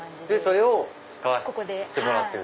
それを使わせてもらってる。